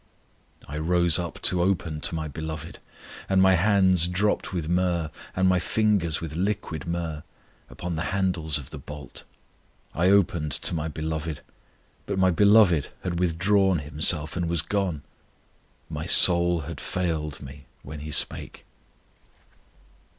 I rose up to open to my Beloved; And my hands dropped with myrrh, And my fingers with liquid myrrh, Upon the handles of the bolt. I opened to my Beloved; But my Beloved had withdrawn Himself, and was gone. My soul had failed me when He spake.